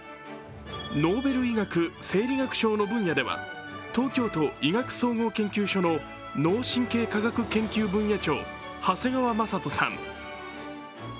ノーベル医学・生理学賞の分野では東京都医学総合研究所の脳・神経科学研究分野長、長谷川成人さん。